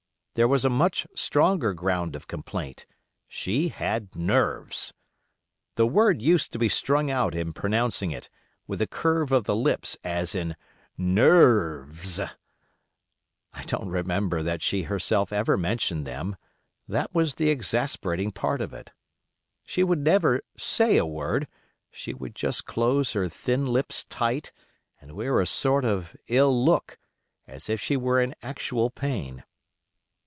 There was a much stronger ground of complaint; she had NERVES! The word used to be strung out in pronouncing it, with a curve of the lips, as "ner erves". I don't remember that she herself ever mentioned them; that was the exasperating part of it. She would never say a word; she would just close her thin lips tight, and wear a sort of ill look, as if she were in actual pain.